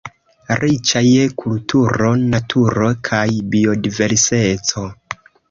Riĉa je kulturo, naturo kaj biodiverseco.